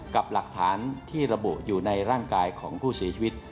กับหลักฐานที่ระบุอยู่ในร่างกายของผู้เสียชีวิต